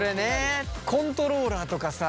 コントローラーとかさ